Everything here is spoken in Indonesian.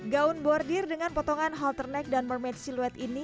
gaun bordir dengan potongan helternet dan mermaid siluet ini